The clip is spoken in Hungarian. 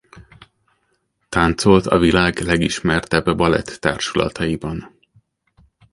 Táncolt a világ legismertebb balett társulataiban.